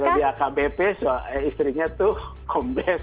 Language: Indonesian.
di akbp istrinya tuh kombes